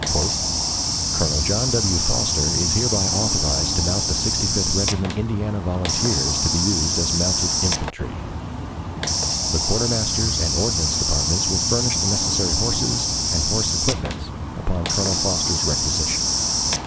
"Colonel John W. Foster is hereby authorized to mount the Sixty fifth Regiment Indiana Volunteers to be used as mounted infantry. The Quartermaster's and Ordnance Departments will furnish the necessary horses and horse equipments upon Colonel Foster's requisition."